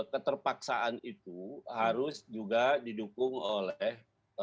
keterpaksaan itu harus juga didukung oleh